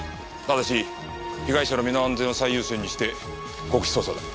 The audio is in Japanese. ただし被害者の身の安全を最優先にして極秘捜査だ。